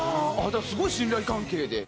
じゃあすごい信頼関係で。